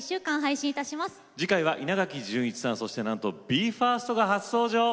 次回は稲垣潤一さんそしてなんとＢＥ：ＦＩＲＳＴが初登場。